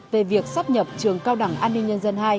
về việc sắp nhập trường cao đẳng an ninh nhân dân hai